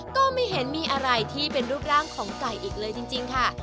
ก็ไม่เห็นมีอะไรที่เป็นรูปร่างของไก่อีกเลยจริงค่ะ